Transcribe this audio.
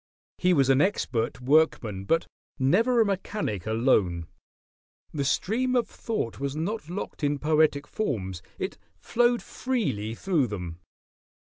He was an expert workman; but never a mechanic alone. The stream of thought was not locked in poetic forms: it flowed freely through them.